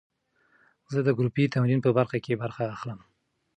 زه د ګروپي تمرین په برخه کې برخه اخلم.